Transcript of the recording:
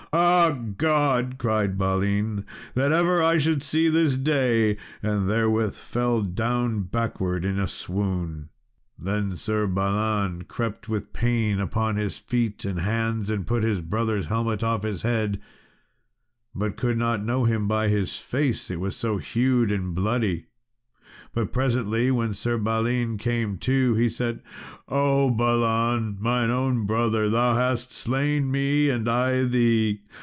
"Ah, God!" cried Balin, "that ever I should see this day!" and therewith fell down backwards in a swoon. Then Sir Balan crept with pain upon his feet and hands, and put his brother's helmet off his head, but could not know him by his face, it was so hewed and bloody. But presently, when Sir Balin came to, he said, "Oh! Balan, mine own brother, thou hast slain me, and I thee!